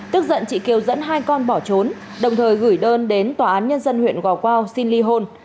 tức giận chị kiều dẫn hai con bỏ trốn đồng thời gửi đơn đến tòa án nhân dân huyện gò quao xin ly hôn